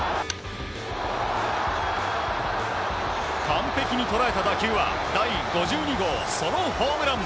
完璧に捉えた打球は第５２号ソロホームラン。